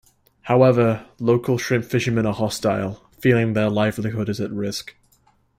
However, local shrimp fishermen are hostile, feeling their livelihood is at risk.